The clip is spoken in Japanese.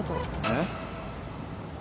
えっ？